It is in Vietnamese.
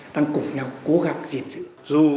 đang cùng nhau cố gắng diễn dự